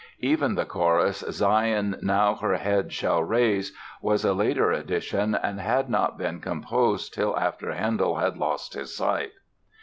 Even the chorus "Zion now her head shall raise", was a later addition and had not been composed till after Handel had lost his sight.